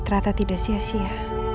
ternyata tidak sia sia